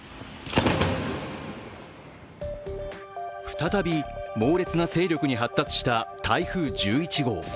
再び、猛烈な勢力に発達した台風１１号。